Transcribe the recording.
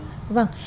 giám khảo hữu huyến